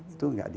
itu enggak di